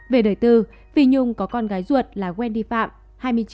về đời tư phi nhung có con gái ruột là quen đi phạm